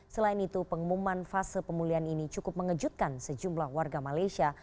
selain itu pengumuman fase pemulihan ini cukup mengejutkan sejumlah warga malaysia